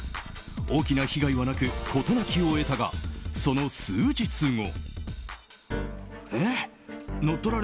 大きな被害はなく事なきを得たがその数日後。